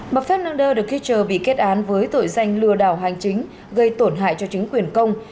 bà fernandez de kircher bị kết án với tội danh lừa đảo hành chính gây tổn hại cho chính quyền công